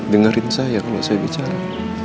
dengerin saya kalau saya bicara